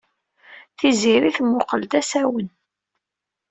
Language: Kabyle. Tiziri temmuqqel d asawen.